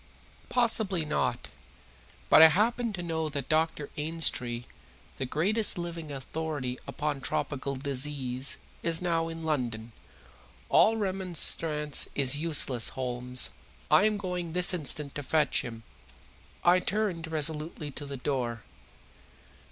"Possibly not. But I happen to know that Dr. Ainstree, the greatest living authority upon tropical disease, is now in London. All remonstrance is useless, Holmes, I am going this instant to fetch him." I turned resolutely to the door.